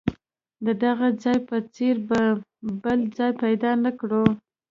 د دغه ځای په څېر به بل ځای پیدا نه کړو.